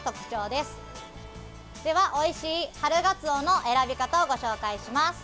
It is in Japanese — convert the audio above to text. では、おいしい春ガツオの選び方をご紹介します。